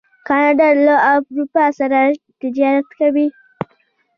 کاناډا له اروپا سره تجارت کوي.